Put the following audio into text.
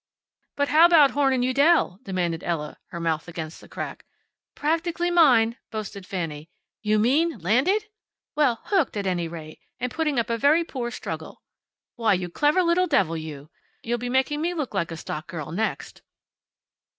"But how about Horn & Udell?" demanded Ella, her mouth against the crack. "Practically mine," boasted Fanny. "You mean landed!" "Well, hooked, at any rate, and putting up a very poor struggle." "Why, you clever little divil, you! You'll be making me look like a stock girl next."